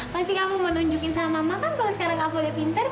pasti kamu mau nunjukin sama mama kan kalau sekarang aku udah pinter